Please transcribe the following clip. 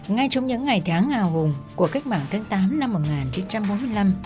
ngay trong những ngày tháng hào hùng của cách mạng tháng tám năm một nghìn chín trăm bốn mươi năm